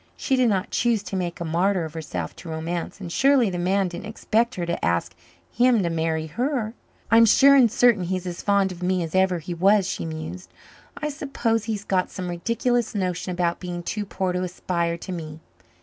She did not choose to make a martyr of herself to romance, and surely the man didn't expect her to ask him to marry her. "I'm sure and certain he's as fond of me as ever he was," she mused. "I suppose he's got some ridiculous notion about being too poor to aspire to me.